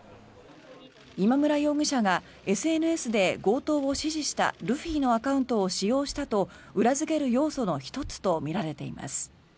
今村容疑者がＳＮＳで強盗を指示したルフィのアカウントを使用したと裏付ける要素の１つとみられています。